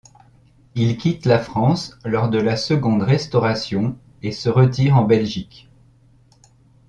Il quitte la France lors de la Seconde Restauration et se retire en Belgique.